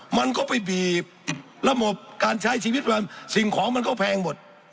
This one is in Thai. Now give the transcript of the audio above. มันก็ไปบีบระบบการใช้ชีวิตมันสิ่งของมันก็แพงหมด